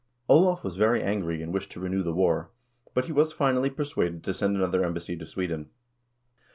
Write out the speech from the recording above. Olav was very angry and wished to renew the war, but he was, finally, persuaded to send another embassy to Sweden.